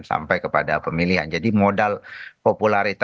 sampai kepada pemilihan jadi modal popularitas ini adalah modal yang paling pertama